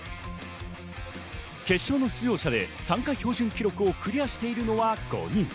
決勝の出場者で参加標準記録をクリアしているのは５人。